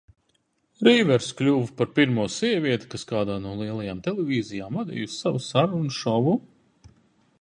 Riversa kļuva par pirmo sievieti, kas kādā no lielajām televīzijām vadījusi savu sarunu šovu.